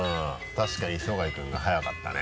確かに磯貝君が早かったね。